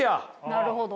なるほど。